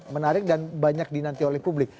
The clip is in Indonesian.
menarik dan banyak dinanti oleh publik